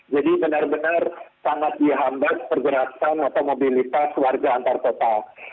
jadi benar benar sangat dihambat pergerakan otomobilitas warga antar kota